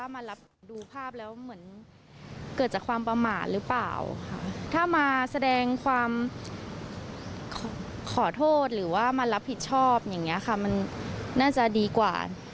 ไม่เห็นเขาเลยอะไรแบบนี้ค่ะ